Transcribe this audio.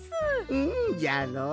うんじゃろう。